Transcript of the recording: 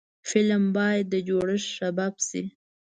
فلم باید د جوړښت سبب شي